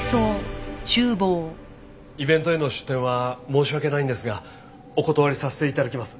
イベントへの出店は申し訳ないのですがお断りさせて頂きます。